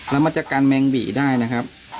แล้วมันจะกันแมงบี่ได้นะครับ